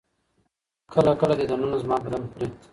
كله ،كله ديدنونه زما بــدن خــوري